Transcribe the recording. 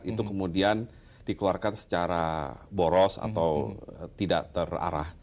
itu kemudian dikeluarkan secara boros atau tidak terarah